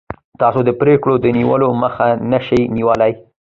تاسو د پرېکړو د نیولو مخه نشئ نیولی.